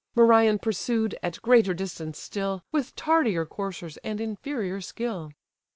Merion pursued, at greater distance still, With tardier coursers, and inferior skill.